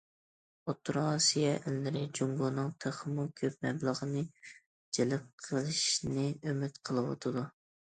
ئوتتۇرا ئاسىيا ئەللىرى جۇڭگونىڭ تېخىمۇ كۆپ مەبلىغىنى جەلپ قىلىشنى ئۈمىد قىلىۋاتىدۇ.